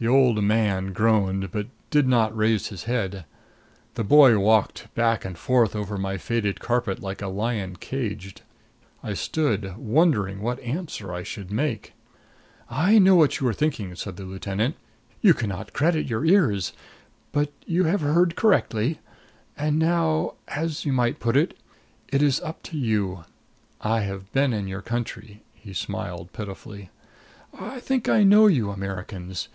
The old man groaned, but did not raise his head. The boy walked back and forth over my faded carpet like a lion caged. I stood wondering what answer I should make. "I know what you are thinking," said the lieutenant. "You can not credit your ears. But you have heard correctly. And now as you might put it it is up to you. I have been in your country." He smiled pitifully. "I think I know you Americans.